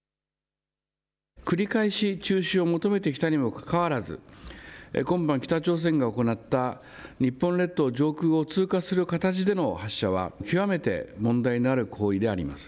繰り返し中止を求めてきたにもかかわらず、今般、北朝鮮が行った日本列島上空を通過する形での発射は、極めて問題のある行為であります。